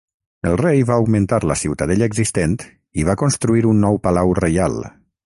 El rei va augmentar la ciutadella existent i va construir un nou palau reial.